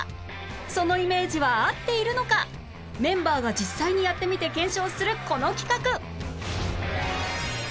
そのイメージは合っているのかメンバーが実際にやってみて検証するこの企画